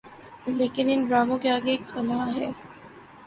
لیکن ان ڈراموں کے آگے ایک خلاہے۔